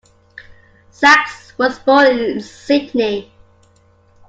Sacks was born in Sydney.